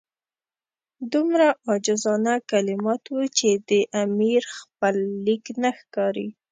دومره عاجزانه کلمات وو چې د امیر خپل لیک نه ښکاري.